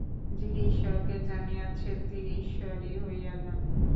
যিনি ঈশ্বরকে জানিয়াছেন, তিনি ঈশ্বরই হইয়া যান।